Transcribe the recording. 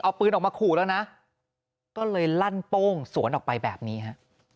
เอาปืนออกมาขู่แล้วนะก็เลยลั่นโป้งสวนออกไปแบบนี้ฮะ